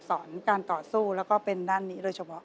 สอนการต่อสู้แล้วก็เป็นด้านนี้โดยเฉพาะ